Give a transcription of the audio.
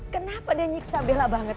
kenapa dia menyiksa bella banget